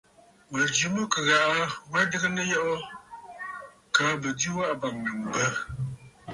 Mɨ̀jɨ mɨ kɨ ghaʼa wa adɨgə nɨyɔʼɔ kaa bɨjɨ waʼà bàŋnə̀ mbə.